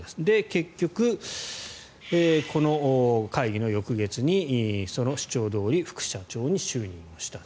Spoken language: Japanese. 結局、この会議の翌月にその主張どおり副社長に就任をした。